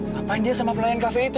ngapain dia sama pelayan kafe itu